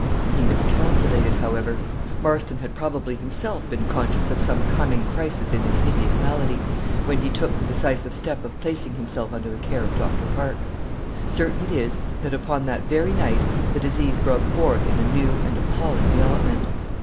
He miscalculated, however. Marston had probably himself been conscious of some coming crisis in his hideous malady, when he took the decisive step of placing himself under the care of Doctor Parkes. Certain it is, that upon that very night the disease broke forth in a new and appalling development.